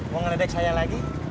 mau ngeledek saya lagi